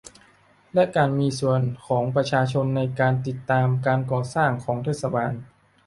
และการมีส่วนของประชาชนในการติดตามการก่อสร้างของเทศบาล